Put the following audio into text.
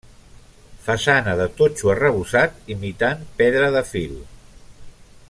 Façana de totxo arrebossat, imitant pedra de fil.